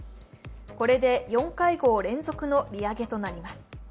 これで４会合連続の利上げとなります。